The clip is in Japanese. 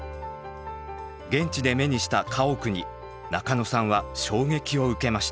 現地で目にした家屋に中野さんは衝撃を受けました。